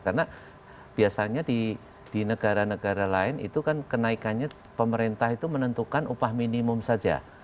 karena biasanya di negara negara lain itu kan kenaikannya pemerintah itu menentukan upah minimum saja